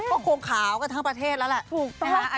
ก็โค้งขาวกันทั้งประเทศแล้วแหละ